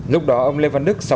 lúc đó ông lê văn đức